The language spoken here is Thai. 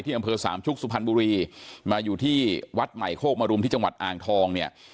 อำเภอสามชุกสุพรรณบุรีมาอยู่ที่วัดใหม่โคกมรุมที่จังหวัดอ่างทองเนี่ย